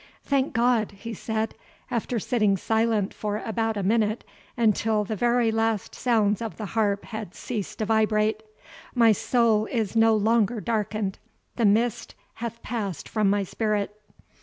"Thank God!" he said, after sitting silent for about a minute, until the very last sounds of the harp had ceased to vibrate, "my soul is no longer darkened the mist hath passed from my spirit."